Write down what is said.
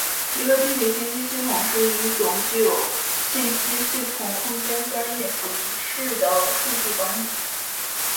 一个地理信息系统是一种具有信息系统空间专业形式的数据管理系统。